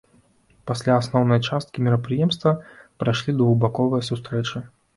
Пасля асноўнай часткі мерапрыемства прайшлі двухбаковыя сустрэчы.